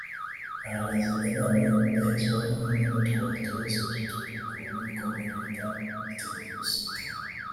arabagira inama yo kudahezwa hanze n’utwo tubazo duto kuko n’ibikomeye leta yiteguye kubisubiza